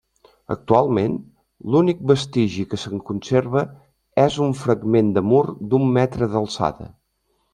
Actualment, l'únic vestigi que se'n conserva és un fragment de mur d'un metre d'alçada.